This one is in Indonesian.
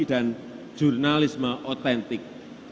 dan jurnalisme otentik